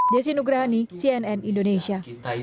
desi nugrahani cnn indonesia